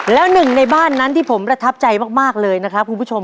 แล้วหนึ่งในบ้านนั้นที่ผมประทับใจมากเลยนะครับคุณผู้ชม